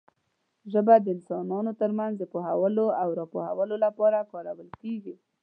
ژبه د انسانانو ترمنځ د پوهولو او راپوهولو لپاره کارول کېږي.